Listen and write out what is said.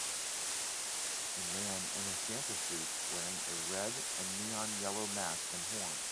A man in a Santa suit wearing a red and neon yellow mask and horns.